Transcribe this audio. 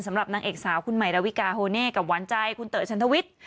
สำหรับนางเอกสาวคุณใหม่ดาวิกาโฮเน่กับหวานใจคุณเต๋อชันทวิทย์